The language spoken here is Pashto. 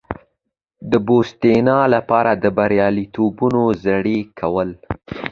د بوتسوانا لپاره د بریالیتوبونو زړي وکرل.